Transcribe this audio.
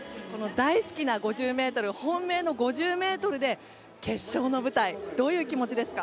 大好きな５０ｍ本命の５０ｍで決勝の舞台どういう気持ちですか？